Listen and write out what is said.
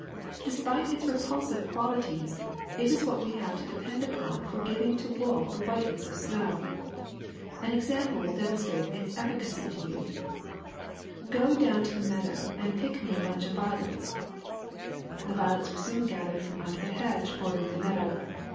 Despite its repulsive qualities, it is what we have to depend upon for giving to wool the whiteness of snow. An example will demonstrate its efficacy to you. Go down to the meadow and pick me a bunch of violets." The violets were soon gathered from under the hedge bordering the meadow.